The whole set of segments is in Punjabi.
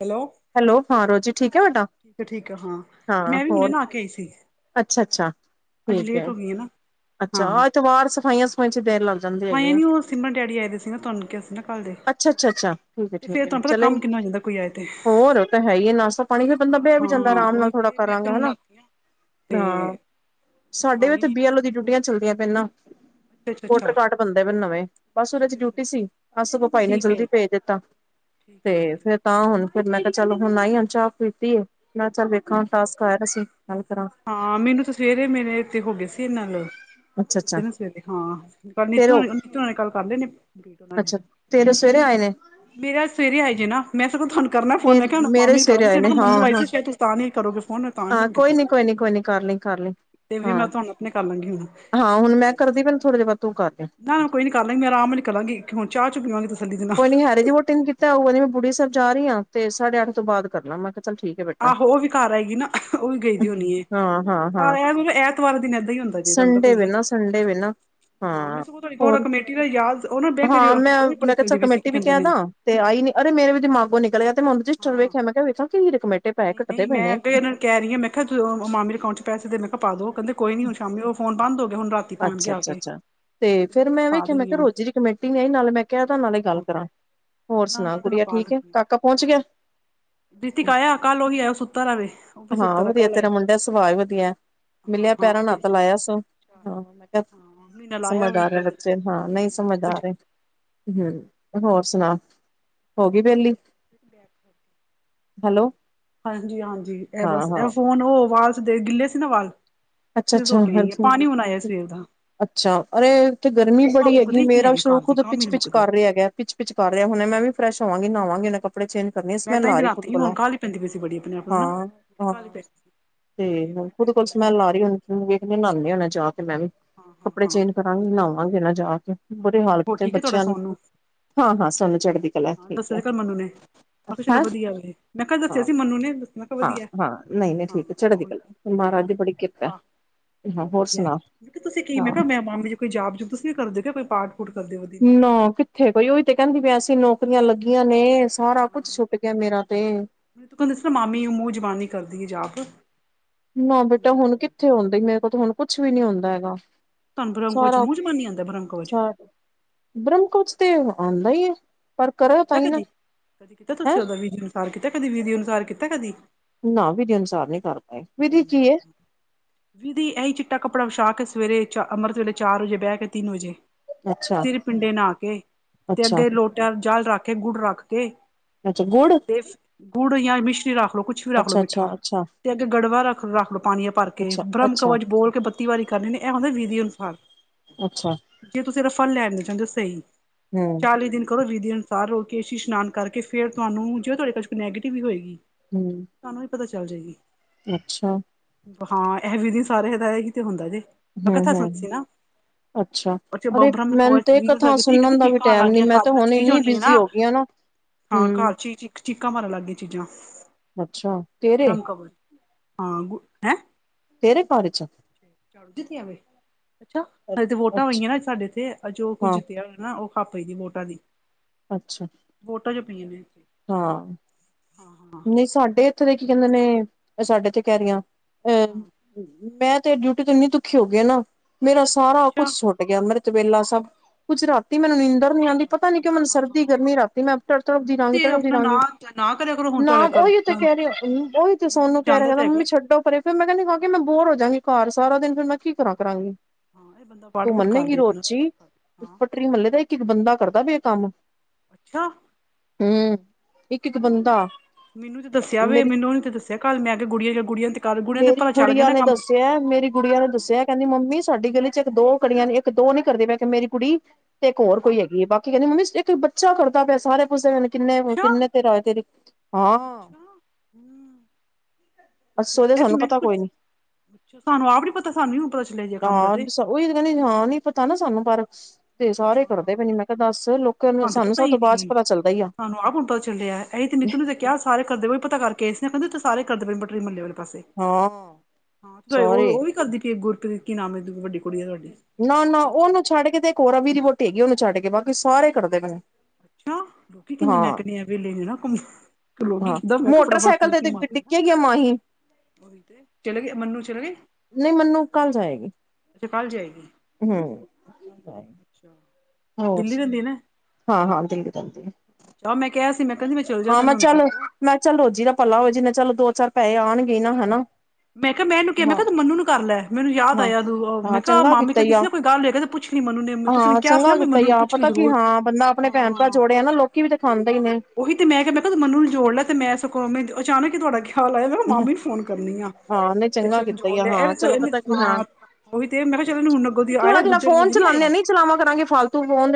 ਹੈਲੋ ਹੈਲੋ ਹਾਂ ਰੋਜੀ ਠੀਕ ਹੈ ਬੇਟਾ ਫੇਰ ਠੀਕ ਆ ਹਾਂ ਹਾਂ ਮੈਂ ਵੀ ਹੁਨੇ ਹੋਰ ਨਾ ਕੇ ਆਈ ਸੀ। ਅੱਛਾ ਅੱਛਾ ਅੱਜ ਠੀਕ ਐ। ਲੇਟ ਹੋ ਗਈ ਹੈ ਨਾ ਹਾਂ ਅੱਛਾਹ ਏਤਵਾਰ ਸਫਾਈਆਂ ਸੂਫੁਈਆਂ' ਚ ਦੇਰ ਲਗ- ਜਾਂਦੇ ਹੈਗੇ ਆਏ ਆ। ਨੀ ਉਹ ਸਿਮਰਨ ਡੈਡੀ ਆਏ ਦੇ ਸੀ ਨਾ ਤੁਹਾਨੂੰ ਕਿਹਾ ਸੀ ਨਾ ਕੱਲ ਦੇ ਅੱਛਾ -ਅੱਛਾ- ਅੱਛਾ ਠੀਕ ਏ ਤੇ ਫੇਰ ਠੀਕ ਏ ਤੁਹਾਨੂੰ ਪਤਾ ਚਲੇ ਕੰਮ - ਕਿੰਨਾ ਹੋ ਜਾਂਦਾ ਕੋਈ ਆਏ ਥੇ। ਹੋਰ ਓ ਤਾਂ ਹੈ ਈ ਏ ਨਾਸਤਾ ਪਾਣੀ ਫਿਰ ਬੰਦਾ ਬੈ ਵੀ ਹਾਂ ਜਾਂਦਾ। ਹਾਂ ਆਰਾਮ ਨਾਲ ਉਹੀ ਥੋੜ੍ਹਾ ਤੇ ਮੈਂ ਫਿਰ ਕਰਾਂਗਾ ਹੁਣ ਹਨਾ। ਆਤੀ ਹਾਂ ਤੇ ਹਾਂ ਕੁਛ ਸਾਡੇ ਪਾਣੀ ਵੀ ਨੀ ਬੀ ਐਲੋ ਅੱਛਾ ਦੀ ਡਿਊਟੀਆਂ ਚੱਲਦੀਆਂ ਪਏ ਨਾ ਅੱਛਾ ਅੱਛਾ ਵੋਟਰ ਅੱਛਾ ਕਾਰਡ ਬੰਦੇ ਵੀ ਨਵੇਂ ਬਸ ਉਹਦੇ ਚ ਅੱਛਾ ਡਿਊਟੀ ਅੱਛਾ ਸੀ ਸਗੋਂ ਭਾਈ ਨੇ ਠੀਕ ਹੈ ਜਲਦੀ ਭੇਜ ਦਿੱਤਾ ਠੀਕ ਤੇ ਹੈ ਠੀਕ ਫੇਰ ਤਾਂ ਹੁਣ ਫਿਰ ਮੈਂ ਕਿਹਾ ਚਲ ਹੁਣ ਆਈ ਹੁ ਚਾਹ ਪੀਤੀ ਮੈਂ ਕਿਹਾ ਚੱਲ ਵੇਖਾਂ ਠੀਕ ਹੈ ਟਾਸਕ ਆਇ ਅਸੀਂ ਗੱਲ ਕਰਾਂ ਹਾਂ ਮੈਨੂੰ ਤਾਂ ਸਵੇਰੇ ਮੇਰੇ ਇਥ ਹੋ ਗਏ ਸੀ ਇਹਨਾਂ ਅੱਛਾ ਅੱਛਾ ਇ ਨਾ ਸਵੇਰੇ ਹਾਂ ਕੱਲ ਤੇਰੇ ਨੀਤੂ ਹੋ ਨੀਤੂਆਂ ਨੇ ਕੱਲ ਕਰ ਲੈਣੇ ਕੰਪਲੀਟ ਉਹਨਾਂ ਨੇ ਅੱਛਾ ਤੇਰੇ ਸਵੇਰੇ ਆਏ ਨੇ ਮੇਰਾ ਸਵੇਰੇ ਆਈ ਜੇ ਨਾ ਮੈਂ ਸਗੋਂ ਤੁਹਾਨੂੰ ਕਰਨਾ ਫੋਨ ਮੇ ਮੈਂ ਕਿਹਾ ਮੇਰੇ ਮਾਮੀ ਨੂੰ ਸਵੇਰੇ ਆਏ ਨੇ ਕਾਂ ਹਾਂ ਮੈਨੂੰ ਆਈ ਹਾਂ ਸੀ ਤਾਂ ਕਰੋਗੇ ਫੋਨ ਹਾਂ ਤ ਕੋਈ ਕੀਤਾ ਨੀ ਕੋਈ ਨੀ ਕੋਈ ਨੀ ਕਰ ਲਈ ਕਰ ਲਈ ਤੇ ਫਿਰ ਹਾਂ ਮੈਂ ਤੁਹਾਨੂੰ ਆਪਣੇ ਕਰ ਲਾਂਗੀ ਹੁਣ ਹਾਂ ਹੁਣ ਮੈਂ ਕਰਦੀ ਪਈ ਥੋੜੇ ਦੇਰ ਬਾਅਦ ਤੂੰ ਕਰ ਲਈ ਨਾ ਨਾ ਕੋਈ ਨੀ ਕਰ ਲਾਂਗੀ ਮੈਂ ਆਰਾਮ ਨ ਕਰਾਂਗੀ ਆ ਹੁਣ ਚਾਹ ਚ ਪੀਵਾਂਗੇ ਤਸੱਲੀ ਦਿ ਨਾਲ ਖਹਿਰੇ ਦੀ ਵੋਟਿੰਗ ਕੀਤਾ ਉਹਊਦੀ ਮੈਂ ਬੁੜੀਹਿਬ ਜਾ ਰਹੀ ਹ ਤੇ ਸਾਢੇ ਅੱਠ ਤੋਂ ਬਾਅਦ ਕਰ ਲਾਂ ਮੈਂ ਚ ਠੀਕ ਬੇ ਆਹੋ ਉਹ ਵੀ ਘਰ ਆਏਗੀ ਨਾ ਉਹ ਵੀ ਗਈ ਦੀ ਹੋਣੀ ਹੈ ਹਾਂ ਹਾਂ ਹਾਂ ਘ ਇਹਲਬ ਐਤਵਾਰ ਦਿਨ ਏਦਾਂ ਹੀ ਹੁੰਦਾ ਜੇ ਤੁਹਾਨੂੰ ਪਤਾ ਸੰਡੇ ਵ ਹੀ ਏ ਨਾ ਸੰਡੇ ਵੀ ਨਾ ਮੈਂ ਹਾਂ ਸਗੋਂ ਤੁਹਾਡੀ ਹੋਰ ਕਮੇਟੀ ਦਾ ਯਾਦ ਉਹ ਨਾ ਬੈਂਕ ਹਾਂ ਮੈਂ ਉਹ ਵੀ ਬੜੀ ਮੈਂ ਕਿਹਾ ਚਲ ਚੱਲਦੀ ਪਈ ਸੀ ਕੀ ਕਮੇਟੀ ਵੀ ਕਹਿੰਦੇ ਕਹਿ ਨੇ ਦਾ ਤੇ ਆਈ ਨੀ ਅਰੇ ਮੇਰੇ ਵੀ ਦਿਮਾਗੋ ਨਿਕਲਿਆ ਤੇ ਮੈਂੂੰਿਸਟਰ ਹਾਂ ਵੇਖਿਆ ਮੈਂ ਕਿਹਾ ਵੇਖ ਕੀ ਹੀ ਰ ਕਮੇਟੇ ਪੈਸ ਨਹੀਂ ਕੱਟਦੇ ਨਹੀਂ ਪਏ ਮੈਂ ਨੇ ਅੱਗੇ ਇਹਨਾਂ ਨੂੰ ਕਹਿ ਰਹੀ ਹ ਮੈਂ ਕਿਹਾ ਮਾਮ ਅਕਾਊਂ 'ਚ ਪਸੇ ਦੇ ਮੈਂ ਕਿਹਾ ਪਾ ਦਿਉ ਕਹਦੇ ਕੋਈ ਨਹੀਂ ਹੁ ਸ਼ੀ ਉਹ ਫੋ ਬੰਦ ਹੋ ਗਿਆਏੁ ਰਾਤੀ ਪਾਣਗੇ ਅੱਛਾ ਆ ਅੱਛਾ ਕੇ ਅੱਛਾ ਤੇ ਤੇ ਫੇਿਰ ਕਿਹਾ ਚਲ ਮੈਂ ਪਾ ਵੇਖਿਆ ਮੈਂ ਦਿੰਨੀ ਕਿਹਾ ਆ ਰੋਜ਼ ਦੀ ਕਮੇਟੀ ਨੇ ਆ ਨਾਲੇ ਮੈਂ ਕਿਹਾ ਤਾਂ ਨਾਲ ਹੀ ਗੱਲ ਆਹੋ ਕਰਾਂ ਹੋਰ ਨਾ ਸੁਣਾ ਨਾ ਗੁੜੀਆ ਠੀਕ ਹੈ ਕਾਕਾ ਪਹੁੰਚ ਗਿਆ ਡਿਸਤੀਿਕ ਆਇਆ ਕੱਲ ਉਹੀ ਆਇਆ ਸੁੱਤਾ ਵ ਉਹ ਵੀ ਹਾਂ ਸੁੱਤਾ ਵਧੀਆ ਕੱਲ ਆਆ ਤੇਰਾ ਮੁੰਡਾ ਸੁਭਾਅ ਵਧੀਆ ਮਿਲਿਆ ਪੈਰਾਂ ਨੱਤ ਲਾਇਆ ਸੋ ਹਾਂ ਮੈਂ ਕਿਹਾ ਹਾਂ ਮਹੀਨਾ ਲਾਇਆ ਉਹ ਸਮਝ ਵੀ ਆ ਰਹੇ ਜਗਾਧਰੀ ਬੱਚੇ ਹਾਂ ਨਹੀਂ ਮਹੀਨਾ ਲਾਇਆ ਸਮਝ ਉਹ ਵੀ ਆ ਰਹੇ ਜਗਾਧਰੀ ਹਮ ਹਾਂ ਹੋਰ ਸੁਣਾ ਹੋ ਗਈ ਵਿਹਲੀ ਬ ਹੈਲੋ ਹਾਂਜੀ ਹਾਂਜੀ ਇਹ ਹਾਂ ਬਸ ਹਾਂ ਇਹ ਫੋਨ ਉਹ ਵਾਲ ਦੇ ਗਿੱਲੇ ਸੀ ਨਾ ਵਾਲ ਅੱਛਾ ਸਿਰ ਧੋ ਕੇ ਅੱਛਾ ਆਈ ਹੈ ਪਾਣੀ ਹਣਾਇ ਸਵੇਰ ਦਾ ਅੱਛਾ! ਅਰੇ ਉੱਥੇ ਗਰਮੀ ਕੰਮ ਬੜੀ ਮੁੱਕਦੇ ਹੈਗੀ, ਹੀ ਨੀ ਮੇਰਾ ਵੀ ਹੈਗੇ ਸ਼ੁਰੂ ਘਰ ਦੇ ਖੁਦ ਕੰਮ ਹੀ ਨੀ ਪਿਚ-ਪਿਚ ਮੁੱਕਦੇ ਕਰ ਰਿਹਾ ਹੈਗਾ, ਪਿ ਪਿਚ ਕਰ ਰਿਹਾ ਹੋਣਾ, ਮੈਂ ਵੀ ਫਰੈਸ਼ ਹੋਵਾਂਗੀ, ਨ੍ਹਾਵਾਂਗੀ ਹੁਨੇ ਕੱਪੜੇ ਚਿੰਨ ਕਰਨੀ ਆ, ਮੈਂ ਸਮੇਲ‌ ਤਾਂ ਹੀ ਆ ਤੇ ਰਹੀ ਖੁਦ ਰਾਤੀ ਹੁਣ ਕੋਲੋ, ਕਾਹਲੀ ਪੈਂਦੀ ਪਈ ਸੀ ਬੜੀ ਆਪਣੇ ਆਪ ਨੂੰ ਨਾ ਬੜੀ ਹਾਂ-ਹਾਂ ਕਾਹਲੀ ਪੈ ਗਈ ਸੀ ਤੇ, ਮੈਂ ਫਿਰ ਉਹਦੇ ਕੋਲ ਹੁਣ ਮੈਂ ਕਿਹਾ ਸਮੈਲ ਆ ਚੱਲ ਰਹੀ ਵੇਖ ਲਾਉਂਦੇ ਨਾ ਜਾ ਕੇ ਮੈਂ ਵੀ ਹਾਂ ਕੱਪੜੇ ਹਾਂ ਚੇਂਜ ਕਰਾਂਗੀ ਹਾਂ ਲਾਵਾਂਗੇ ਜਾ ਕੇ ਬੁੁਰੇ ਹਾਲ ਹੋਰ ਕੀਤੇ ਠੀਕ ਹੈ ਤੁਹਾਡਾ ਬੱਚਿਆਂ ਨੇ, ਸੋਨੂੰ ਹਾਂ, ਹਾਂ ਸਨ ਚੜ੍ਹਦੀ। ਕਲਾ ਹਾਂ, ਠੀਕ ਦੱਸਿਆ ਹੈ ਸੀ ਕਲ ਮੰਨੂੰ ਨੇ, ਮੈਂ ਕਿਹਾ ਚਲੋ ਹੈਂ ਵਧੀਆ, ਵ ਮੈਂ ਕਿਹਾ ਦੱਸਿਆ ਸੀ ਮੰਨੂੰ ਨੇ, ਮੈਂ ਕਿਹਾ ਵਧੀਆ। ਹਾਂ-ਹਾਂ ਹਾਂ, ਨਹੀਂ-ਨਹੀਂ ਹਾਂ ਠੀਕ ਏ, ਚੜ੍ਹਦੀ ਉਹੀ ਕਲਾ, ਚਲੋ ਮਹਾਰਾਜ ਦੀ ਬੜੀ ਕੀ ਵਧੀਆ ਆਹ ਚਲੋ ਵਧੀਆ, ਮੈਂ ਕਿਹਾ ਤੁਸੀਂ ਕੀ ਹਾਂ ਮੈਂ ਕਿਹਾ ਮੈਂ ਮਾਮ'ਚ ਕੋਈ ਜਾਪ-ਜੂਪ ਤੁਸੀਂ ਵੀ ਕਰਦੇ ਓ ਕੋਈ ਪਾਠ? ਉਠ ਕਰਦੇ ਓ ਨਾ, ਕਿੱਥੇ-ਕੋਈ ਉਹੀ ਤੇ ਕਹਿੰਦੀ ਪੀਆਂ, ਅਸੀਂ ਨੌਕਰੀਆਂ ਲੱਗੀਆਂ ਨੇ ਸਾਰਾ-ਕੁੱਛ ਛੁੱਟ ਗਿਆ, ਮੇਰਾ ਤੇ! ਤੂੰਸਦੀ ਕਿਸਤਰ੍ਹਾਂ ਮਾਮੀ ਓਹ ਮੂੰਹ ਜਬਾਨੀ ਕਰਦੀ ਏ, ਜਾਪ। ਨਾ ਬੇਟਾ ਹੁਣ ਕਿੱਥੇ ਹੋਂਦਾਈ, ਮੇਰੇ ਕੋਲ ਤਾਂ ਹੁਣ ਕੁਛ ਵੀ ਨਹੀਂ ਹੁੰਦਾ ਹੈਗਾ। ਤੁਹਾਨੁਂ ਬ੍ਰਹਮ-ਕਵਚ ਸਾਰਾ ਮੁੰਹ ਜਬਾਨੀ ਆਂਦਾ, ਬ੍ਰਹਮ-ਕਵਚ? ਸਾਰ ਬ੍ਰਹਮ ਕਵਚ ਤੇ, ਆਂਦਾ ਈਏ। ਕੀਤਾ ਕਦੀ? ਕਦੀ ਕੀਤਾ ਹੈਂ ਤੁਸੀਂ, ਓਦਾ ਵਿਧੀ ਅਨੁਸਾਰ ਕੀਤਾ ਕਦੀ? ਵਿਧੀ ਅਨੁਸਾਰ ਕੀਤਾ ਕਦੀ? ਨਾ ਵਿਧੀ ਅਨੁਸਾਰ ਨਹੀਂ ਕਰਦੇ, ਵਿਧੀ ਹਮ, ਕੀ ਏ? ਵਿਧੀ ਇਹੀ ਚਿੱਟਾ ਕੱਪੜਾ ਵਿਛਾਕੇ ਸਵੇਰੇ, ਚ ਅੰਮ੍ਰਿਤ ਵੇਲੇ ਚਾਰ-ਵਜੇ ਬਹਿਕੇ ਤਿੰਨ-ਵਜੇ। ਸਿਰ ਪਿੰਡੇ ਨਹਾਕੇ ਤੇ, ਅੱਧੇ ਅੱਛਾ-ਅੱਛਾ-ਅੱਛਾ ਲੋਟਾ ਜਲ ਰੱਖਕੇ, ਗੁੜ ਰੱਖਕੇ ਅੱਛਾ, ਗੁੜ? ਤੇ ਗੁੜ ਯਾਂ ਮਿਸ਼ਰੀ ਰੱਖਲੋ, ਕੁਛ ਵੀ ਰੱਖਲੋ ਅੱਛਾ, ਮਿੱਠਾ, ਅੱਛਾ, ਅੱਛਾ, ਤੇ ਅੱਗੇ ਗੜਵਾ ਰਾ ਰੱਖਲੋ, ਪਾਣੀ ਭਰ ਕੇ, ਅੱਛਾ, ਬ੍ਰਹਮ ਅੱਛਾ, ਕਵਚ ਬੋਲਕੇ ਬੱਤੀ ਵਾਰੀ ਕਰਨੀੇ ਨੇ, ਏ ਹੁੰਦਾ ਵਿਧੀ ਅਨੁਸਾਰ। ਅੱਛਾ। ਜੇ ਤੁਸੀਂ ਰਫਲ ਲੈਣੇ ਚਾਹੁੰਦੇ ਹੋ ਸਹੀ ਹੂੰ, ਚਾਲੀ-ਦਿਨ ਕਰੋ ਵੀਧੀ ਅਨ ਸਾਹ ਹੋਕੇ, ਕੇਸ਼ੀ ਇਸ਼ਨਾਨ ਕਰਕੇ, ਫੇਰ ਤੁਹਾਨੂੰ ਜੇ ਤੁਹਾਡੇ ਘਰ'ਚ ਨੈਗੇਟਿਵੀ ਹੋਏਗੀ ਹੂੰ ਤੁਹਾਨੂੰ ਵੀ ਪਤਾ ਚੱਲ ਜੇਗੀ। ਅੱਛਾ! ਹਾਂ, ਇਹ ਵੀਧੀ ਸਾਰੇਆ ਦਾ ਏਹੀ ਤੇ ਹੁੰਦਾ ਜੇ, ਮੈਂ ਹੂੰ, ਕਥਾ ਹੂੰ, ਸੁਣੀ ਸੀ ਨਾ। ਅੱਛਾ, ਬ ਅਰੇ ਮੈਨੂੰ ਬ੍ਰਹਮ-ਕਵਚ ਤੇ ਦੀ ਕਥਾ ਕੀਤੀ, ਕਹਿੰਦੀ ਸੁਣਨ ਦਾ ਵੀ ਚੀਕਾਂ ਆਣ ਟੈਮ ਨੀ ਲੱਗਗੀਆਂ ਮੈਂ ਤਾਂ ਘਰ ਵਿੱਚ ਹੁਣ ਚੀਜ਼ ਇੰਨੀ ਹੋਣੀ ਏ, ਬਿਜ਼ੀ ਨਾ। ਹੋ ਗਈ ਆ ਹਾਂ, ਹੂੰ। ਘਰ'ਚ ਚੀ ਚੀਕਾਂ ਮਾਰਨ ਲੱਗਗੀ ਚੀਜ਼ਾਂ ਅੱਛਾ, ਤੇਰੇ ਬ੍ਰਹਮ-ਕਵਚ, ਹਾਂ, ਹੈਂ? ਤੇਰੇ ਘਰ'ਚ? ਛਡਤੀਆ ਨੇ, ਅੱਛਾ! ਅ- ਹਲੇ ਤੇ ਵੋਟਾਂ ਅੱਛਾ ਹੋਈਆਂ ਨਾ ਸਾਡੇ ਇੱਥੇ, ਅੱਜ, ਓ, ਕੁੱਝ ਹਾਂ, ਜਿੱਤਿਆ ਹੋਣਾ ਨਾ, ਉਹ ਭਾਪੇ ਦੀ ਵੋਟਾਂ ਦੀ। ਅੱਛਾ। ਵੋਟਾਂ'ਚ ਪਈਆਂ ਨੇ। ਹਾਂ‌। [inaudible] ਨਹੀਂ ਸਾਡੇ ਇੱਥੇ ਤਾਂ, ਕੀ ਕਹਿੰਦੇ ਨੇ, ਸਾਡੇ ਇੱਥੇ ਕਹਿ ਰਹੀਆਂ ਅ ਹਾਂ 'ਮੈਂ' ਤੇ ਡਿਊਟੀ ਤੋਂ ਇੰਨੀ ਦੁਖੀ ਹੋ ਗਈ ਨਾ, ਮੇਰਾ ਸਾਰਾ ਅੱਛਾ ਕੁੱਛ ਛੁੱਟਗਿਆ, ਅੰਮ੍ਰਿਤਵੇਲਾ ਸਭ। ਕੁੱਛ ਰਾਤੀ ਮੈਨੂੰ ਅੱਛਾ ਨੀਂਦਰ ਅੱਛਾ ਨੀ ਆਂਦੀ, ਅੱਛਾ ਪਤਾ ਨੀ ਕਿਉਂ ਹਾਂ ਮੈਨੂੰ ਹਾਂ ਹਾਂ ਸਰਦੀ-ਗਰਮੀ, ਰਾਤੀ ਮੈਂ ਤੇ ਤੜਫਦੀ ਰਹਾਂਗੀ, ਤੁਸੀਂ ਤੜਫਦੀ ਆਪਣਾ ਨਾ ਰਹਾਂਗੀ। ਨਾ ਕਰਿਆ ਕਰੋ। ਹੁਣ ਨਾ, ਤੁਹਾਡਾ ਕਰ ਉਹੀ ਉ ਤੇ ਕਹਿ ਰਹਿਆ, ਓਹੀ ਤੇ ਸੋਨੂੰ ਮੈਨੂੰ ਕਹਿ ਰਿਹਾ, ਜਾਂਦਾ ਤੇ ਕਹਿੰਦਾ ਹੈਗਾ ਮੰਮੀ ਛੱਡੋ ਪਰੇ ਫਿਰ ਮੈਂ ਕਿਆ, ਕ ਕਿ ਮੈਂ ਬੋਰ ਹੋਜਾਂਗੀ ਘਰ, ਸਾਰਾ ਦਿਨ ਫਿਰ ਮੈਂ ਕੀ ਕਰਾਂ ਕਰਾਂਗੀ। ਹਾਂ ਇਹ ਬੰਦਾ ਪਾਠ ਤੂੰ ਪੁਠ ਕਰ ਮੰਨੇਗੀ ਲਏ ਆਪਣਾ ਰੋੱਚੀ, ਹਾਂ ਪੱਟਰੀ, ਮੱਹਲੇ ਦਾ ਇੱਕ-ਇੱਕ ਬੰਦਾ ਕਰਦਾ ਪਿਆ ਕੰਮ। ਅੱਛਾ! ਹੂੰ। ਇੱਕ ਇੱਕ ਹਾ, ਬੰਦਾ ਮੀਨੂੰ ਤ ਦੱਸਿਆ ਵੇ, ਮੇਰੀ ਮੈਨੂੰ ਉਹਨੀ ਤੇ ਦੱਸਿਆ ਕੱਲ, ਮੈਂ ਕਿਹਾ' ਗੁੜੀਆਂ-ਗੁੜੀਆਂ ਤੇ ਕੱਲ ਗੁੜੀਆਂ ਤੇ ਪਲਾ ਚੱਲ ਗਿਆ ਨਾ ਕੰਮ। [unintelligible] ਗ ਕੁੜੀਆਂ ਨੇ ਹਾਂ ਦੱਸਿਆ ਕਹਿੰਦੀ ਮੰਮੀ ਸਾਡੀ ਗਲੀ ਚ' ਇੱਕ ਦੋ ਕੜੀਆਂ, ਇਕ ਦੋ ਨੀ ਕਰਦੇ, ਮੈਂ ਕੇਹਾ ਮੇਰੀ ਕੁੜੀ ਤੇ ਇੱਕ ਹੋਰ ਹਾਂ ਕੋਈ ਹੈਗੀ ਹੈ। ਬਾਕੀ ਕਹਿੰਦੀ ਮੰਮੀ ਇੱਕ ਇਕ ਬੱਚਾ ਕਰਦਾ ਪਿਆ, ਸਾਰੇ ਪੁੱਛ ਅੱਛਾ ਕਿੰਨੇ-ਕਿੰਨੇ ਤੇਰਾ ਆਏ ਤੇਰੇ ਹਾਂ [inaudible] ਅਸੀਂ ਤੇ ਸੋਚਦੇ ਅੱਜ ਸਾਨੂੰ ਮੈਂ ਕਿਹਾ ਪਤਾ ਕੋਈ ਕੁਛ, ਨੀ ਸਾਨੂੰ ਆਪ ਨੀ ਪਤਾ, ਸਾਨੂੰ ਨੀ ਪਤਾ ਚੱਲਿਆ ਜੇ ਕੰਮ ਦਾ ਤੇ ਹਾਂ ਉਹੀ ਤੇ ਕਹਿੰਦੇ, ਹਾਂ ਨੀ ਪਤਾ ਨਾ ਸਾਨੂੰ ਪਰ ਤੇ ਸਾਰੇ ਕਰਦੇ ਪਏ ਹਾਂ ਨੇ, ਮੈਂ ਕਿਹਾ ਦੱਸ ਲੋਕ ਤੇ ਸਾਨੂੰ ਪਤਾ ਸਭ ਹੀ ਤੋਂ ਬਾਅਦ ਚ ਨੀ ਪਤਾ ਚੱਲਦਾ ਹੀ ਆ ਸਾਨੂੰ ਆਪ ਹੁਣ ਪਤਾ ਚੱਲਿਆ, ਐ ਹੀ ਤੇ ਨੀਤੂ ਨੂੰ ਤੇ ਕਿਹਾ' ਸਾਰੇ ਕਰਦੇ ਪਏ, ਪਤਾ ਕਰਕੇ ਇਸ ਨਾ ਕਹਿੰਦੇ ਸਾਰੇ ਕਰਦੇ ਪਏ ਬੂੱਟੇਰਿੰਗ ਮੱਲੇ ਵਾਲੇ ਪਾਸੇ ਹਾਂ ਹਾਂ' ਸਾਰੇ ਉਹ-ਉਹ ਵੀ ਕਰਦੀ ਕਿ ਗੁਰਪ੍ਰੀਤ, ਕੀ ਨਾਮ ਹੈ ਵੱਡੀ ਕੁੜੀ ਆ ਤੁਹਾਡੀ ਨਾ-ਨਾ ਜਸਪ੍ਰੀਤ ਉਹਨੂੰ ਛੱਡ ਕੇ, ਤੇ ਇੱਕ ਹੋਰ ਅਵੀ ਦੀ ਵੋਟੀ ਹੈਗੀ, ਉਹਨੂੰ ਛੱਡ ਕੇ ਬਾਕੀ ਸਾਰੇ ਕਰਦੇ ਪੈਨ ਅੱਛਾ ਲੋਕੀ ਕਿੰਨੇ ਮੈਂ ਕਹਿਨੀ ਆ ਵੇਲੇ ਨੇ ਨਾ ਘੁੰਮ ਰੋਟੀ ਹਾਂ ਦੇ ਮੈਂ ਕਿਹਾ' ਫੜ-ਫੜ ਮੋਟਰਸਾਈਕਲ ਫਤੀ ਤੇ ਮਾਰਦਾ ਡਿੱਗੇਗੀ ਮਾਹੀ ਉਹੀ ਤੇ, ਚਲੇ ਗਈ ਮਨੂੰ ਚਲੇ ਗਈ। ਨਹੀਂ ਮੈਨੂੰ ਕੱਲ ਜਾਏਗੀ ਅੱਛਾ ਕੱਲ ਜਾਏਗੀ। ਠੀਕ ਹੈ ਹੂੰ ਦਿੱਲੀ ਰਹਿੰਦੀ ਐ ਨਾ ਹਾਂ-ਹਾਂ ਦਿੱਲੀ ਰਹਿੰਦੀ ਐ ਹਾ ਮੈਂ ਕਿਹਾ ਸੀ, ਮੈਂ ਕੇਹਾ ਸੀ ਵਿਚ ਹਾਂ' ਮੈਂ ਚੱਲ ਮੈਂ ਕਿਹਾ ਚੱਲ ਰੋਜ਼ੀ ਦਾ ਭਲਾ ਹੋਵੇ, ਚਲ ਦੋ ਚਾਰ ਪੈਸੇ ਆਉਣਗੇ ਹੀ ਨਾ, ਹੈਨਾ ਮੈਂ ਕਿਹਾ ਮੈਂਨੂੰ ਕਿਹਾ-ਮੈਂ ਕਿਹਾ ਤੂੰ ਮਨੂੰ ਮਨ ਨੂੰ ਕਰ ਲੈ, ਮੈਨੂੰ ਯਾਦ ਹਾਂ ਆਇਆ ਤੂੰ ਮੈਂ ਕਿਹਾ ਮਾਮੀ ਕਹਿੰਦੇ ਆ ਸੀ, ਨਾ ਕੋਈ ਗੱਲ ਲ ਕੇ ਹਾਂ', ਚੰਗਾ ਕੀਤਾ ਹੀ, ਆ ਲਈ ਪਤਾ ਕਿ ਜ਼ਰੂਰ ਹਾਂ ਬੰਦਾ ਆਪਣੇ ਭੈਣ ਭਰਾ ਹਾਂ ਜੋੜਿਆ ਨਾ ਲੋਕ [unintelligible] ਉਹੀ ਤੇ ਮੈਂ ਕਿਹਾ-ਮੈਂ ਕਿਹਾ ਮਨੂੰ ਨੂੰ ਜੋੜ ਲੈ, ਤੇ ਮੈਂ ਸਗੋ ਮੈਂ ਅਚਾਨਕ ਹੀ ਤੁਹਾਡਾ ਲ ਮ ਮਾਮੀ ਨੂੰ ਫੋਨ ਕਰਨੀ ਆ, ਹਾਂ ਨਈ ਤੇ ਚੰਗਾ ਫਿਰ ਕੀਤਾ ਈ ਜੋੜ ਆ ਲਿਆ ਹਾਂ ਚਲੋ ਇਹਨੇ। ਪਤਾ ਕੀ ਹਾਂ ਉਹੀ ਤੇ ਮੈਂ ਕਿਹਾ ਚਲੈ ਨੂੰ, ਹੁਣ ਅੱਗੋ ਦੀ ਆਇਆ ਦੂਜੇ ਨੂੰ ਮਿਲੀ ਹੈ। ਚਲਾਂਦੇ ਨਹੀਂ ਚਲਾਵਾਂ ਕਰਾਂਗੇ ਫਾਲਤੂ ਫੋਨ,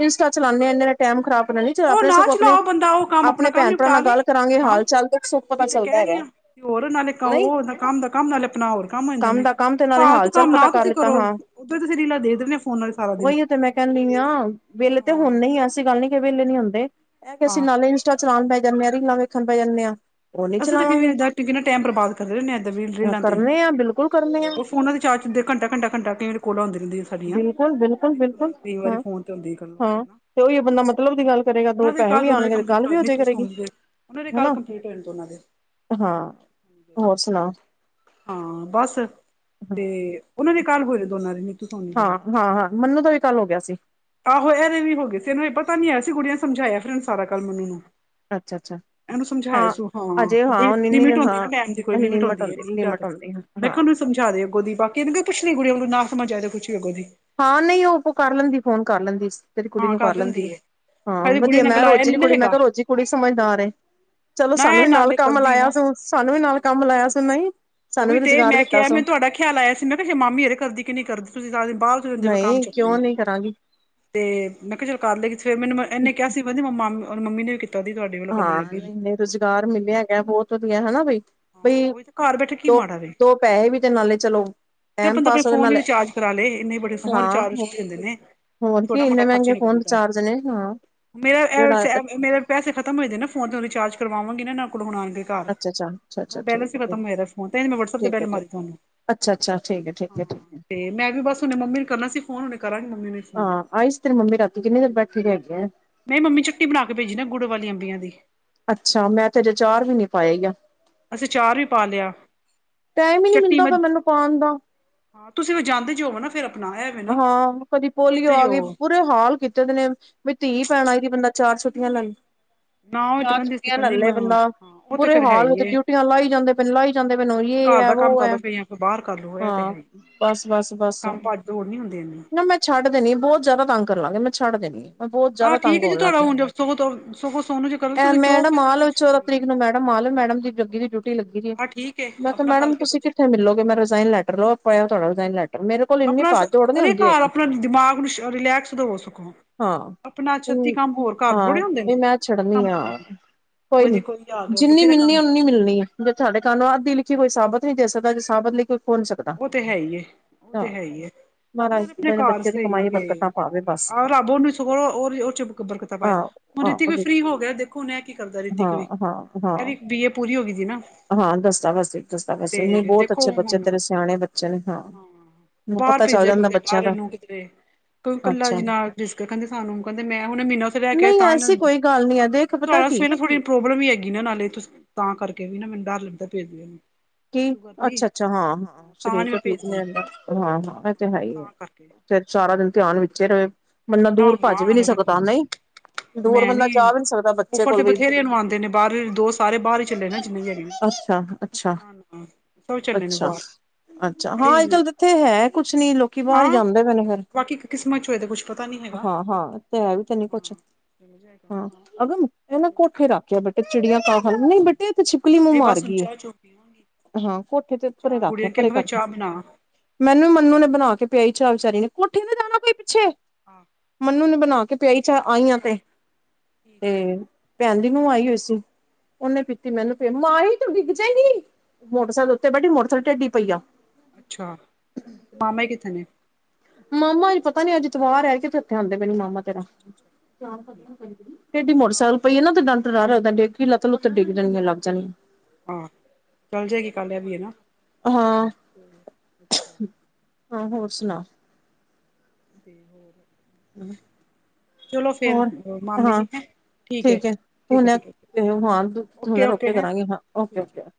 ਇੰਟਾ ਚਲਾਉਂਦੇ ਆਂ, ਇਨੇ ਨੇ ਟਾਈਮ ਖ਼ਰਾਬ ਨੇ। ਉਹ ਆਪਣੇ ਨਾ ਸਗੋਂ ਆਪਣੇ, ਚਲਾਓ ਬੰਦਾ ਉਹ ਕੰਮ ਆਪਣਾ ਆਪਣੇ ਕੰਮ ਭੈਣ ਭਰਾ ਨਿਪਟਾ ਨਾਲ ਲਏ ਗੱਲ ਕਰਾਂਗੇ, ਹਾਂ ਹਾਲ ਚਾਲ ਤੇ ਦੁੱਖ ਸੁੱਖ ਉਹੀ ਪਤਾ ਤੇ ਚੱਲਦਾ ਕਹਿ ਰਹੀ ਹੈਗਾ। ਹਾਂ ਤੇ ਹੋਰ ਨਾਲੇ ਨਈ ਉਹਦਾ ਕੰਮ ਦਾ ਕੰਮ, ਨਾਲੇ ਆਪਣਾ ਹੋਰ ਕੰਮ ਆ ਜਾਂਦੇ ਨੇ, ਦਾ ਕੰਮ ਤੇ ਨਾਲੇ ਹਾਲ ਫਾਲਤੂੰ ਚਾਲ ਕੰਮ ਪਤਾ ਨਾ ਕਰ ਤੁਸੀਂ ਲਿੱਤਾ ਕਰੋ। ਹਾਂ ਉੱਥੋਂ ਤੁਸੀਂ ਰੀਲਾ ਦੇਖਦੇ ਆਂ, ਫੋਨ ਨਾਲ ਸਾ ਉਹੀ ਤੇ ਮੈਂ ਕਹਿਣਦੀ ਆਂ, ਵੇਹਲੇ ਤੇ ਹਾਂ ਹੋਨੇ ਈ ਆਂ, ਐਸੀ ਗੱਲ ਨੀ, ਕਿ ਵਹਲੇ ਨੀ ਹੁੰਦੇ। ਐ ਕੇ ਅਸੀਂ ਆਹ ਨਾਲੇ ਇੰਸਟਾ ਚਲਾਉਣ ਬੈ ਜਾਂਨੇ ਆਂ, ਰੀਲਾਂ ਵੇਖਣ ਬੈ ਜਾਂਨੇ ਆਂ, ਉਹ ਨੀ ਚਲਾਵਾਂਗੇ। ਕਿਨਾ ਟਾਈਮ ਬਰਬਾਦ ਕਰਦੇ ਰਹਨੇ ਆਂ, ਇਨਾਂ ਰਿਲਾਂ ਤੇ, ਕਰਨੇ ਆ ਬਿਲਕੁਲ ਕਰਨੇ ਆ ਉਹ ਫੋਨਾ ਦੇ ਚਾਰਜ ਘੰਟਾ ਘੰਟਾ ਘੰਟਾ ਕੋਲੋ ਦਿਖਦੀ ਫਲੀਆਂ, ਬਿਲਕੁਲ ਬਿਲਕੁਲ ਬਿਲਕੁਲ ਕਈ ਵਾਰੀ ਹਾਂ ਫੋਨ ਤੇ ਹੁੰਦੀ ਗੱਲ, ਕੋਲ ਹਾਂ ਤੇ ਉਹੀ ਬੰਦਾ ਮਤਲਬ ਦੀ ਗੱਲ ਕਰੇਗਾ ਦੋ ਉਹਨਾਂ ਦੀ ਪੈਸੇ ਕੱਲ ਵੀ ਦੋਨਾਂ ਦੇ ਆਉਣਗੇ ਤੇ ਗੱਲ ਕੰਪਲੀਟ ਵੀ ਹੋਏ ਨੇ, ਹੋਜੇ ਕਰੇਗੀ ਉਹ ਦੇ ਕਲ ਹਨਾ ਕੰਪਲੀਟ ਹੋਏ ਨੇ, ਦੋਨਾਂ ਦੇ। ਹਾਂ ਹੋਰ ਸੁਣਾਓ? ਹਾਂ, ਬਸ, ਹਾਂ ਤੇ ਉਹਨਾਂ ਦੇ ਕਾਲ ਹੋਏ ਦੋਨਾਂ ਦੀ ਨਾ। ਹਾਂ ਹਾਂ ਹਾਂ ਮੈਨੂੰ ਤਾਂ ਵੀ ਕੱਲ ਹੋ ਗਿਆ ਸੀ। ਆਹੋ ਇਹਦੇ ਵੀ ਹੋ ਗਏ ਸੀ, ਇਹਨੂੰ ਇਹ ਪਤਾ ਨੀ ਆਯਾ ਸੀ, ਕੁੜੀਆਂ ਸਮਝਾਇਆ ਫਿਰਨੂੰ ਸਾਰਾ ਕੱਲ ਮੈਨੂੰ ਨੂੰ। ਅੱਛਾ ਅੱਛਾ। ਇਹਨੂੰ ਸਮਝਾਇਆ ਹਾਂ ਸੁ, ਹਾਂ ਅਜੇ ਉਹਨੀ ਲਿਮਿਟ ਹੁੰਦੀ ਨਾ ਹਾਂ ਟਾਈਮ ਦੀ, ਕੋਈ ਲਿਮਿਟ ਲਿਮਟ ਹਉਂਦੀ ਹੈ, ਹੁੰਦੀ ਇਹਨੂੰ ਸਮਝਾ ਲਿਮਟ ਦਾ ਸੀ ਹੁੰਦੀ ਮੈਂ ਹਾਂ ਕਿਹਾ ਸਮਝਾ ਦੇਓੱਗੋਂ ਦੀ, ਬਾਕੀ ਇਹਨੂੰ ਪੁੱਛ ਲਈ, ਕੁੱਛ ਨੀ ਕੁੜੀ ਉਹ ਨਾ ਸਮਝ ਆਏ, ਕੁਛ ਵੀ ਅਗੋ ਦੀ। ਹਾਂ ਨਹੀਂ ਉਹ ਕਰ ਲੈਂਦੀ, ਫੋਨ ਕਰ ਲੈਂਦੀ ਸੀ। ਤੇਰੀ ਕੁੜੀ ਨੂੰ ਕਰ ਲੈਂਦੀ ਹੈ, ਹਾਂ ਹਜੇ ਗੁੜੀਆ ਵਧੀਆ ਨੇ ਮੈਂ ਗਲਾਇਆ ਰੋਜ਼ੀ ਦੀ ਨੀ ਨਾ ਕੁੜੀ, ਮੈਂ ਹੈਗਾ ਕਿਹਾ ਰੋਜ਼ੀ ਦੀ ਕੁੜੀ ਸਮਝਦਾਰ ਐ। ਚਲੋ ਨਾ ਸਾਨੂੰ ਇਹ ਵੀ ਨਾਲ ਨਾਲੇ ਕੰਮ ਕਰਦੀ ਲਾਇਆ ਨਾ ਸੁ, ਸਾਨੂੰ ਵੀ ਨਾਲ ਕੰਮ ਲਾਇਆ ਸੁ, ਨਹੀਂ। ਸਾਨੂੰ ਉਹੀ ਵੀ ਤੇ, ਰੁਜ਼ਗਾਰ ਮੈਂ ਦਿੱਤਾ ਕਿਹਾ ਸੋ ਮੈਂ ਤੁਹਾਡਾ ਖਿਆਲ ਆਇਆ ਸੀ, ਮੈਂ ਕਿਹਾ ਮਾਮੀ ਹਰੇ ਕਰਦੀ ਕੀ ਨਹੀਂ ਕਰਦੀ, ਤੁਸੀਂ ਸਾਰਾ ਦਿਨ ਬਾਹਰ ਦੇ ਫ ਕੰਮ ਨਹੀਂ ਚੁੱਕਣੇ ਕਿਉਂ ਆਂ, ਨਹੀਂ ਕਰਾਂਗੀ ਤੇ ਮੈਂ ਕਿਹਾ ਚੱਲ ਕਰ ਲੇਗੀ, ਕਿ ਫੇਰ ਮੈਨੂੰ ਇਹਨੇ ਕਿਹਾ ਸੀ। ਕਹਿੰਦੀ ਮ ਮ ਮੰਮੀ ਨੇ ਵੀ ਕੀਤਾ ਦੀ ਤੁਹਾਡੇ ਵੱਲੋਂ ਕਹਿੰਦੇ ਹਾਂ ਲੱਗੇ ਇੇ ਰੁਜ਼ਗਾਰ ਮਿਲਿਆ ਹੈਗਾ, ਬਹੁਤ ਵਧੀਆ ਹੈਨਾ ਬਈ ਹਾਂ ਬਈ। ਉਹੀ ਤੇ ਘਰ ਬੈਠੇ ਕੀ ਦੋ ਮਾੜਾ ਦੋ ਪੈਸੇ ਵੀ, ਤੇ ਨਾਲੇ ਚਲੋ ਚ ਟਾਈਮ ਬੰ ਆਪ ਪਾਸ ਹੋਵੇ ਫੋਨ ਹੀ ਨਾਲੇ ਰਿਚਾਰਜ ਕਰਾ ਲਏ, ਇਨੇ ਬੇ ਫੋਨ ਹਾਂ ਰਿਚਾਰਜ ਹੋਰ ਦਿੰ ਨੇ। ਹੋਰ ਛੋਟਾ ਕੀ ਮੋਟਾ ਇੰਨੇ ਮਹਿੰਗੇ ਖਰਚਾ ਫੋਨ ਨਿਕਲਦਾ ਹੈ, ਰਿਚਾਰਜ ਨੇ ਹਾਂ ਮੇਰਾ ਐ, ਜਿਹੜਾ ਵੈਸੇ ਮੇਰੇ ਪੈਸੇ ਖਤਮ ਹੋਏ ਨੇ ਫੋਨ ਤੇ ਰਿਚਾਰਜ ਕਰਵਾਂਗੀ ਨਾ ਇਹਨਾ ਕੋਲ ਆਉਣਗੇ। ਘਰ, ਅੱਛਾ ਅੱਛਾ ਅੱਛਾ ਉਹ ਅੱਛਾ ਠੀਕ ਬੈਲੈਂਸ ਹੀ ਹੈ ਖਤਮ ਹੋਏ ਦਾ। ਫੋਨ ਤੇ ਮੈਂ ਵਟਸਐਪ ਤੇ ਠੀਕ ਹੈ, ਬੈਲ ਠੀਕ ਮਾਰੀ ਤੁਹਾਨੂੰ ਅੱਛਾ, ਅੱਛਾ ਠੀਕ ਹੈ, ਠੀਕ ਹੈ, ਠੀਕ ਹੈ। ਤੇ ਮੈਂ ਵੀ ਬਸ ਹੁਣ ਮੰਮੀ ਨੂੰ ਕਰਨਾ ਸੀ ਫੋਨ ਹੁਣ ਕਰਾਂਗੀ ਮੰਮੀ ਨੂੰ ਫੋਨ ਹਾਂ ਆਈ ਸੀ ਤੇਰੀ ਮੰਮੀ ਰਾਤ ਕਿੰਨੀ ਦੇਰ ਬੈਠੀ ਰਹੀ ਹੈਗੇ ਆ। ਮੇਰੀ ਮੰਮੀ ਚੁੱਟੀ ਬਣਾ ਕੇ ਭੇਜੀ ਗੁੜ ਵਾਲੀ ਅੰਬੀਆਂ ਦੀ। ਅੱਛਾ ਮੈਂ ਤੇ ਅਜੇ ਆਚਾਰ ਵੀ ਨੀ ਪਾਆਗਾ। ਅਸੀਂ ਅਚਾਰ ਵੀ ਪਾ ਲਿਆ। ਟਾਈਮ ਹੀ ਨਹੀਂ ਚਟਨੀ ਮਿਲਦਾ ਮੈਂ ਮੈਨੂੰ ਪਾਉਣ ਦਾ। ਹਾਂ ਤੁਸੀਂ ਜਾਂਦੇ ਜਾ ਹੋ ਨਾ ਫੇਰ। ਹਾਂ ਕਦੀ ਪੋਲੀਓ ਆ ਗਈ। ਹੋ ਬੁਰੇ ਹਾਲ ਕੀਤੇ ਉਹ ਨੇ ਵੀ ਧੀ ਪੈਣ ਆਈ ਦੀ ਬੰਦਾ ਚਾਰ ਛੁੱਟੀਆਂ ਲੈਂ ਨਾ ਉਹ ਤੇ ਚਾਰ ਕਹਿੰਦੀ ਸੀ ਛੁੱਟੀਆਂ ਲੈ ਕਹਿੰਦੀ ਲਏ ਮੈਂ ਬੰਦਾ, ਹਾਂ ਉਹ ਤੇ ਬੁਰੇ ਫੇਰ ਹੈ ਹਾਲ ਹੀ ਵਿੱਚ ਏ ਡਿਊਟੀਆਂ ਲਾਈ ਜਾਂਦੇ ਪ ਲਾਈ। ਜਾਂਦੇ ਮੈਨੂੰ ਯ ਘਰ ਹੈ ਦਾ ਵ ਕੰਮ ਹੈ ਕਰਲੋ ਫਿਰ ਜਾਂ ਫਿਰ ਬਾਹਰ ਕਰਲੋ ਹਾਂ ਬਸ -ਬਸ- ਬਸ। ਲੋੜ ਨਹੀਂ ਹੁੰਦੀ ਇੰਨੀ ਨਾ ਮੈਂ ਛੱਡ ਦੇਣੀ, ਬਹੁਤ ਜ਼ਿਆਦਾ ਤੰਗ ਕਰਨ ਲਾਂਗੇ, ਮੈਂ ਛੱਡ ਦੇਣੀਆਂ। ਬਹੁਤ ਆਹ ਜਿਆਦਾ ਠੀਕ ਤੰਗ ਹੈ ਜੀ ਹੋਣ ਤੁਹਾਡਾ ਲੱਗਿਆ ਹੁਣ ਜ ਸਗੋਂ ਸਗੋਂ ਸੋਨੂੰ ਜੀ ਕਰੋ ਤੁਸੀਂ ਕਿਉਂ ਮੈਂਡਮ ਫਿਰ ਆਲ ਵਿੱਚ ਟੈਂਸ਼ਨ ਉਹਦਾ ਕੀਤੀ ਹੈ। ਤਰੀਕ ਨੂੰ ਮੈਡਮ ਆ ਲਓ ਮੈਡਮ ਦੀ ਜੱਗੀ ਦੀ ਡਿਊਟੀ ਲੱਗੀ ਸੀ ਆਹ ਠੀਕ ਹੈ ਮੈਂ ਕਿਹਾ ਆਪਣਾ ਮੈਡਮ ਕਰਕੇ ਤੁਸੀਂ ਬੱਚੇ ਕਿੱਥੇ ਕਰੋ ਤੁਸੀਂ ਮਿਲੋਗੇ? ਮੈਂ ਰਿਜ਼ਾਇਨ ਲੈਟਰ ਲਓ ਆਪ ਤੁਹਾਡਾ ਰਜ਼ਾਇਨ ਲੈਟਰ ਮੇਰੇ ਕੋਲ ਇੰਨੀ ਭੱਜ ਦੌੜ ਨੀ ਹਰੇ ਹੁੰਦੀ ਘਰ ਹੈਗੀ ਆਪਣਾ ਦਿਮਾਗ ਨੂੰ ਰਿਲੈਕਸ ਹੋ ਸਕੋ। ਹਾਂ, ਹਾਂ ਥੋੜੇ ਹੁੰਦੇ ਨੇ ਮੈਂ ਕਿੰਨੇ ਛੱਡਨੀ ਕੰਮ ਆ। ਹੁੰਦੇ ਨੇ ਕੋਈ ਨੀ, ਦੀ ਆ ਗਿਆ ਜਿੰਨੀ ਬਥੇਰੇ ਮਿਲਣੀ ਕੰਮ ਉਨੀ ਮਿਲਣੀ ਹੈ। ਜੇ ਤਹਾਡੇ ਕੰਨ ਨੂੰ ਅੱਧ ਦੀ ਲਿਖੀ ਕੋਈ ਸਾਬਤ ਨਹੀਂ ਦੇ ਸਕਦਾ ਸਾਬਤ ਲਿਖੀ ਖੋ ਨੀ ਸਕਦਾ ਉਹ ਤੇ ਹੈ ਹੀ ਹੈ, ਉਹ ਤੇ ਹਾਂ ਹੈ ਹੀ ਮਹਾਰਾਜ ਆਪਣੇ ਘਰ ਬੱਚੇ ਦੀ ਸਹੀ ਕਮਾਈ ਬਰਕਤਾਂ ਗਏ ਪਾਵੇ ਬਸ ਆਹ ਰੱਬ ਉਹਨੂੰ ਸਗ ਉਹ ਚ ਬਰਕਤਾਂ ਪਾਏ ਆਹੋ ਹੁਣ ਰਿਤਿਕ ਆਹੋ ਵੀ ਫਰੀ ਹੋ ਗਿਆ ਦੇਖੋਨ ਕੀ ਕਰਦਾ ਰਿਤਿਕ ਵੀ ਹਾਂ ਹਾਂ ਇਹਦੀ ਹਾਂ ਬੀਏ ਪੂਰੀ ਹੋ ਗਈ ਸੀ ਨਾ ਹਾਂ ਦਸਦਾ ਵਸ ਦਸਦਾ ਵਸ ਨਹੀਂ ਤੇ ਬਹੁਤ ਦੇਖੋ ਅੱਛੇ ਬੱਚੇ ਹੁਣ ਤੇਰੇ ਸਿਆਣੇ ਬੱਚੇ ਨੇ ਹਾਂ ਮੈਨੂੰ ਭੇਜ ਲੱਦੇ ਡਾਹਰ ਨੂੰ ਕਿਧਰੇ ਕਿਉ ਕੱਲਾ ਅੱਛਾ ਜਿਨਾ ਰਿਸਕ ਕਹਿੰਦੇ ਸਾਨੂੰ ਕਹਿੰਦੇ ਮੈਂ ਹੁਣ ਮਹੀਨਾ ਤੋਂ ਲੈ ਕੇ ਨਹੀਂ ਤਾਂ ਐਸੀ ਇਹੂੰ ਕੋਈ ਗੱਲ ਦੇਖ ਪਤਾ ਕੀ ਥੋੜੀ ਪ੍ਰੋਬਲਮ ਵੀ ਹੈਗੀ ਨਾ ਨਾਲੇ ਤੁਸੀਂ ਤਾਂ ਕਰਕੇ ਵੀ ਨਾ ਮੈਨੂੰ ਡਰ ਲੱਗਦਾ ਭੇਜ ਕੇ ਕੀ ਅੱਛਾ, ਅੱਛਾ ਹਾਂ, ਹਾਂ ਸਰੀਰ ਨੀ ਤਾਂ ਮੈਂ ਠੀਕ ਨਹੀਂ ਭੇਜਦੀ ਰਹਿੰਦਾ ਹਾਂ, ਹਾਂ ਇਹ ਤੇ ਹੈ ਹੀ ਹੈ ਤਾਂ ਕਰਕੇ ਫਿਰ ਸਾਰਾ ਦਿਨ ਧਿਆਨ ਵਿੱਚ ਰਹੇ ਬੰਨ ਨਾ ਦੂਰ ਭੱਜ ਨਾ ਵੀ ਨੀ ਰਹਿਣ ਸਕਦਾ ਦੋ ਨਹੀਂ ਦੂਰ ਮੈਂ ਬੰਦਾ ਜਾ ਨੀ ਵੀ ਨਹੀਂ ਸਕਦਾ ਬੱਚੇ ਉਫਰ ਤੇ ਕੋਲ ਵੀ ਬਥੇਰੇ ਨੂੰ ਆਉਂਦੇ ਨੇ ਬਾਹਰ ਦੇ ਸਾਰੇ ਬਾਹਰ ਹੀ ਚੱਲੇ ਨੇ ਜਿੰਨੇ ਹੀ ਹੈਗੇ ਨੇ ਅੱਛਾ ਅੱਛਾ ਹਾਂ ਸਭ ਚੱਲੇ ਨੇ ਅੱਛਾ ਬਾਹਰ ਅੱਛਾ, ਹਾਂ ਅੱਜ ਇਹੀ ਕੱਲ ਤਾਂ ਇੱਥੇ ਹੈ ਕੁਛ ਨੀ ਲੋਕੀ ਬਾਹਰ ਹੀ ਹਾਂ ਜਾਂਦੇ ਪੈਨੂੰ ਫੇਰ ਬਾਕੀ ਕਿਸਮਤ ਚ ਹੋਏ ਤੇ ਕੁੱਛ ਪਤਾ ਨੀ ਹੈਗਾ ਹਾਂ- ਹਾਂ ਤੇ ਹੈ ਵੀ ਇਥੇ ਕੁਛ ਹਾਂ ਚਲ ਜਾਏਗਾ ਹਾਂ, ਹਾਂ ਅਗਮ ਇਹ ਨਾ ਤੇ ਕੋਠੇ ਰਖ ਬੇਟੇ ਚਿੜੀਆਂ ਕਾ ਖਾਨ ਨਹੀਂ ਬੇਟੇ ਛਿਪਲੀ ਮੂੰਹ ਮਾਰ ਗਈਏ ਚੁਪੀ ਹੋਗੀ ਹਾਂ ਕੋਠੇ ਚ ਪਰੇ ਰੱਖਿਆ, ਪਰੇ ਕਰਕੇ ਚਾਹ ਬਣਾ ਮੈਨੂੰ ਵੀ ਮੰਨੂ ਨੇ ਬਣਾ ਕੇ ਪਿਆ ਸੀ ਚਾਹ ਵਿਚਾਰੀ ਨੇ ਕੋਠੇ ਨੇ ਦੇਣਾ ਕੋਈ ਪਿੱਛੇ ਹਾਂ ਮਨੂੰ ਨੇ ਬਣਾ ਕੇ ਪਿਆਈ ਚ ਆਈ ਤੇ ਤੇ ਠੀਕ ਹੈ ਭੈਣ ਦੀ ਮੂੰਹ ਅੱਛਾ ਆਈ ਹੋਈ ਸੀ, ਉਹਨੇ ਪੀਤੀ ਹਾਂ ਮੈਨੂੰ ਪਿਆਈ ਮਾਹੀ ਤੂੰ ਡਿੱਗ ਜਾਏਗੀ, ਮੋਟਰਸਾਈਕਲ ਆ ਉੱਤੇ ਬੈਠੀ ਮੋਟਰਸਾਈਕਲ ਟੇਡੀ ਪਈ ਆ ਅੱਛਾ ਤੇ ਮਾਮੇ ਜੀ ਕਿੱਥੇ ਨੇ ਮਾਮਾ ਅਜ ਪਤਾ ਨੀ ਅੱਜ ਐਤਵਾਰ ਹੈ ਕਿਥੇ ਹੁੰਦਾ ਮਾਮਾ ਤੇਰਾ ਠੀਕ ਹੈ ਇਹਦੀ ਮੋਟਰਸਾਈਕਲ ਆਹ ਪਈ ਹੈ ਨਾ ਤੇ ਡੰਟ ਰਦਦਾ ਡਿੱਗ ਕੇ ਲੱਤ ਲੁੱਤ ਡਿੱਗ ਜਾਣੀੀਆਂ ਲੱਗ ਜਾਣੀਆਂ ਆਹ ਚੱਲ ਜਾਏਗੀ ਕੱਲ ਇਹ ਵੀ ਹੈ ਨਾ ਹਾਂ ਅੱਛਾ ਹਾਂ ਹੋਰ ਸੁਣਾ ਤੇ ਹੋਰ ਹਮ ਚਲੋ ਫੇਰ, ਮਾਮੀ ਜੀ ਹੈ ਠੀਕ ਹੈ ਠੀਕ ਹੈ ਠੀਕ ਹੈ ਹੁਣੇ ਓਕੇ ਰੁਕ ਓਕੇ ਕੇ ਹੈਂ ਕਰਾਂਗੇ ਹਾਂ ਓਕੇ ਠੀ ੀਕ ਓਕੇ ਓਕੇ